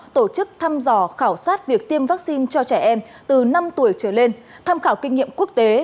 tổ chức thăm dò khảo sát việc tiêm vaccine cho trẻ em từ năm tuổi trở lên tham khảo kinh nghiệm quốc tế